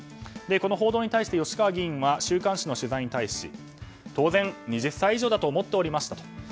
この報道に対して吉川議員は週刊誌の取材に対し当然、２０歳以上だと思っておりましたと。